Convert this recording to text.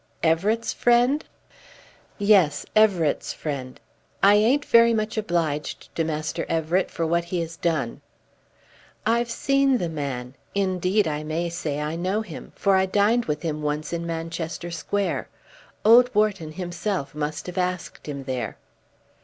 "Everett's friend?" "Yes; Everett's friend. I ain't very much obliged to Master Everett for what he has done." "I've seen the man. Indeed, I may say I know him, for I dined with him once in Manchester Square. Old Wharton himself must have asked him there."